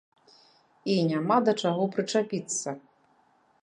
І няма да чаго прычапіцца.